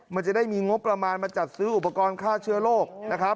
มันจะได้มีงบประมาณมาจัดซื้ออุปกรณ์ฆ่าเชื้อโรคนะครับ